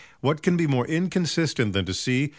What can be more inconsistent than to see